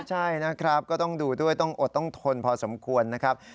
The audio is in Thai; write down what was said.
ใช่นะครับก็ต้องดูด้วยต้องอดต้องทนพอสมควรนะครับ